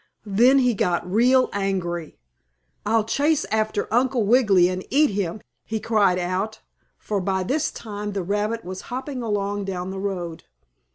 Then he got real angry. "I'll chase after Uncle Wiggily and eat him!" he cried out, for by this time the rabbit was hopping along down the road.